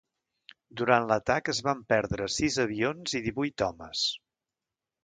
Durant l'atac es van perdre sis avions i divuit homes.